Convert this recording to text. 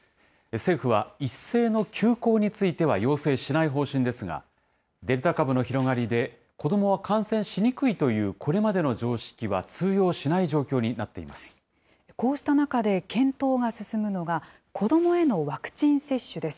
政府は、一斉の休校については要請しない方針ですが、デルタ株の広がりで、子どもは感染しにくいというこれまでの常識は通用しない状況になこうした中で検討が進むのが、子どもへのワクチン接種です。